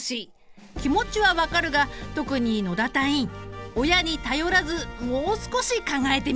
気持ちは分かるが特に野田隊員親に頼らずもう少し考えてみてくれ。